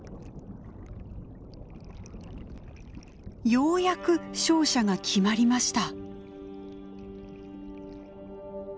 ようやく勝者が決まりました。